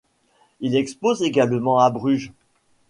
Il expose également à Bruges.